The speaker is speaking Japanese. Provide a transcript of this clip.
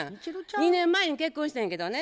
２年前に結婚してんけどね。